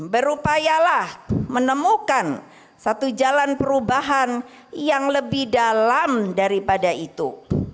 berupayalah menemukan satu jalan perubahan yang lebih dalam daripada itu